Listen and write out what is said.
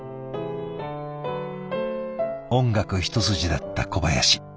音楽一筋だった小林。